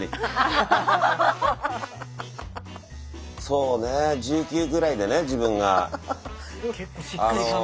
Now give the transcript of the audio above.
そうね１９ぐらいでね自分が。